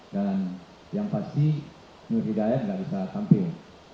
dan yang pasti nur hidayat gak bisa tampil